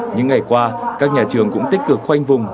những ngày qua các nhà trường cũng tích cực khoanh vùng